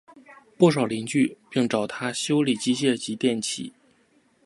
不少邻居并找他修理机械及电器。